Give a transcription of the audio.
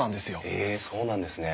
へえそうなんですね。